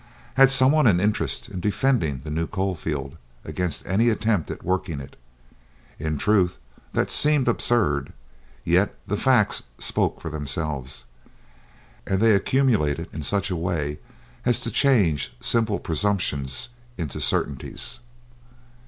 Had someone an interest in defending the new coal field against any attempt at working it? In truth that seemed absurd, yet the facts spoke for themselves, and they accumulated in such a way as to change simple presumptions into certainties.